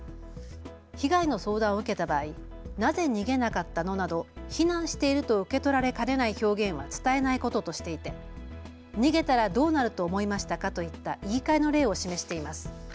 被害の相談を受けた場合、なぜ逃げなかったのなど非難していると受け取られかねない表現は伝えないこととしていて逃げたらどうなると思いましたかといった言いかえの例を示しています。